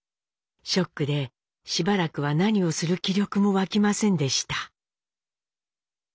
ショックでしばらくは何をする気力も湧きませんでした。